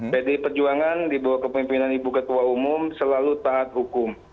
pdi perjuangan di bawah kepemimpinan ibu ketua umum selalu taat hukum